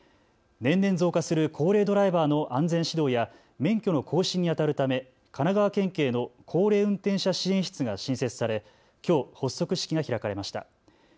年々増加する高齢ドライバーの安全指導や免許の更新にあたるため神奈川県警の高齢運転者支援室が新設されきょう、発足式が開かれました。